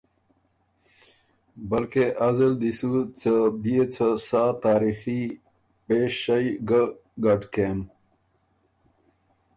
بلکې از ال دی سو څه بئے څه سا تاریخي پېشئ ګۀ ګډ کېم